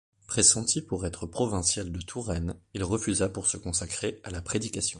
Pressenti pour être provincial de Touraine, il refusa pour se consacrer à la prédication.